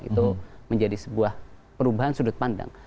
itu menjadi sebuah perubahan sudut pandang